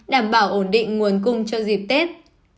đảm bảo ổn định nguồn cung cho dịp tết